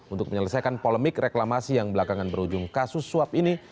untuk menyelesaikan polemik reklamasi yang belakangan berujung kasus suap ini